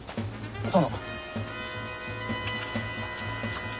殿。